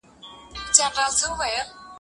د یتیم دخیال ډوډۍ غوندې سپېره ده